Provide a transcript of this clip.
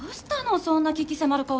そんな危機迫る顔して。